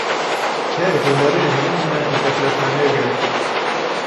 Һеҙ ғүмере минең менән иҫәпләшмәнегеҙ.